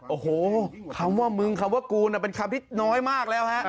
โอ้โหคำว่ามึงคำว่ากูเป็นคำที่น้อยมากแล้วฮะ